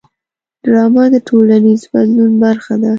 ډرامه د ټولنیز بدلون برخه ده